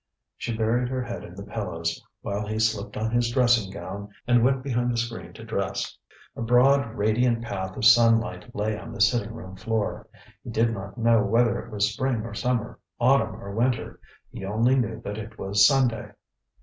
She buried her head in the pillows, while he slipped on his dressing gown and went behind the screen to dress. A broad radiant path of sunlight lay on the sitting room floor; he did not know whether it was spring or summer, autumn or winter; he only knew that it was Sunday!